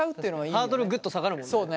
ハードルぐっと下がるもんね。